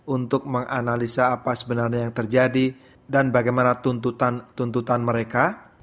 untuk menganalisa apa sebenarnya yang terjadi dan bagaimana tuntutan tuntutan mereka